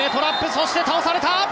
そして倒された！